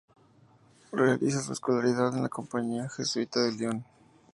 Realiza su escolaridad en la compañía jesuita de Lyon.